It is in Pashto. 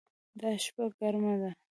دا شپه ګرمه ده